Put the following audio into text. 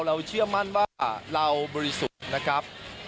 เชื่อมั่นว่าเราบริสุทธิ์นะครับ